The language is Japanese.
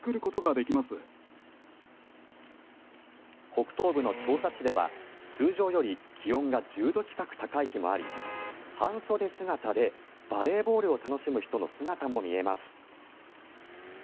北東部の調査地では通常より気温が１０度近く高い日もあり半袖姿でバレーボールを楽しむ人の姿も見えます。